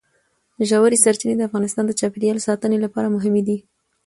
ژورې سرچینې د افغانستان د چاپیریال ساتنې لپاره مهمي دي.